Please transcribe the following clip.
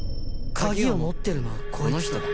鍵を持ってるのはこいつだ